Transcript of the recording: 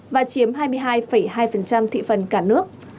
và chiếm hai mươi hai hai thị phần cả nước